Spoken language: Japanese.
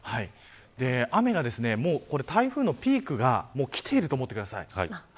雨が台風のピークがきていると思ってください。